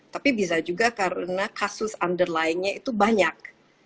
tapi bisa juga karena kasus underlyingnya itu banyak